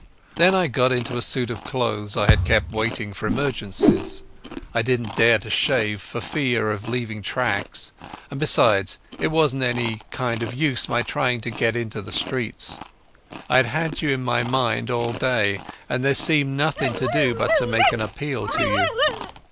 Then I got into a suit of clothes I had kept waiting for emergencies. I didn't dare to shave for fear of leaving tracks, and besides, it wasn't any kind of use my trying to get into the streets. I had had you in my mind all day, and there seemed nothing to do but to make an appeal to you.